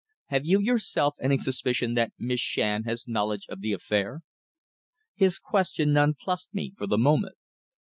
"Have you yourself any suspicion that Miss Shand has knowledge of the affair?" His question non plussed me for the moment.